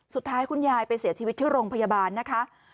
สุดท้ายคุณยายไปเสียชีวิตที่โรงพยาบาลนะคะ